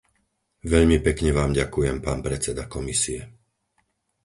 Veľmi pekne vám ďakujem, pán predseda komisie.